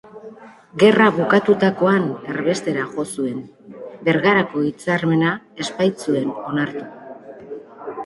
Gerra bukatutakoan erbestera jo zuen, Bergarako hitzarmena ez baitzuen onartu.